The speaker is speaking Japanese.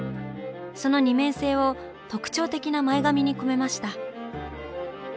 その２面性を特徴的な前髪に込めました。